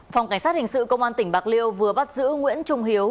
phòng cảnh sát hình sự công an tỉnh bạc liêu vừa bắt giữ nguyễn trung hiếu